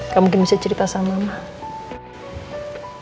kamu mungkin bisa cerita sama ma